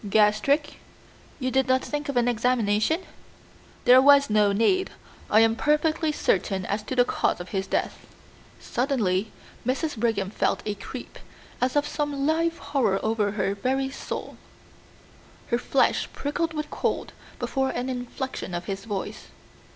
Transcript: "Gastric." "You did not think of an examination?" "There was no need. I am perfectly certain as to the cause of his death." Suddenly Mrs. Brigham felt a creep as of some live horror over her very soul. Her flesh prickled with cold, before an inflection of his voice.